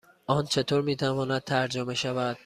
آن چطور می تواند ترجمه شود؟